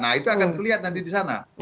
nah itu akan terlihat nanti di sana